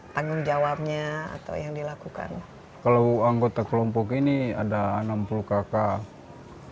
tanggung jawabnya atau yang dilakukan kalau anggota kelompok ini ada enam puluh kakak